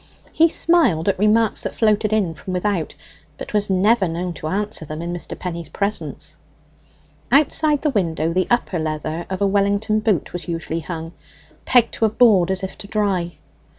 He smiled at remarks that floated in from without, but was never known to answer them in Mr. Penny's presence. Outside the window the upper leather of a Wellington boot was usually hung, pegged to a board as if to dry.